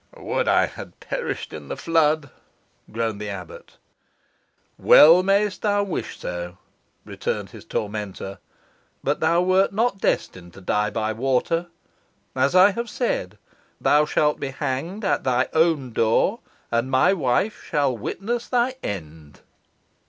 "Would I had perished in the flood!" groaned the abbot. "Well mayst thou wish so," returned his tormentor; "but thou wert not destined to die by water. As I have said, thou shalt be hanged at thy own door, and my wife shall witness thy end."